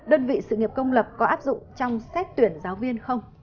đơn vị sự nghiệp công lập có áp dụng trong xét tuyển giáo viên không